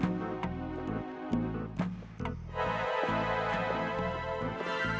ya mampusin seratus k international ahora